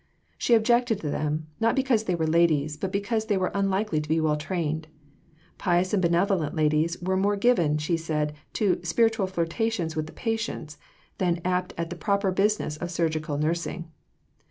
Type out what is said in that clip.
She objected to them, not because they were ladies, but because they were unlikely to be well trained. Pious and benevolent ladies were more given, she said, to "spiritual flirtations with the patients," than apt at the proper business of surgical nursing.